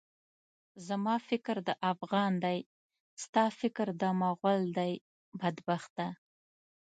زما فکر د افغان دی، ستا فکر د مُغل دی، بدبخته!